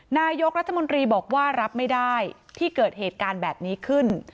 นายกรัฐมนตรีบอกว่ารับไม่ได้ที่เกิดเหตุการณ์แบบนี้ขึ้น